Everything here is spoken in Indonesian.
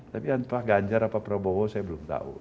tapi anpa ganjar atau prabowo saya belum tahu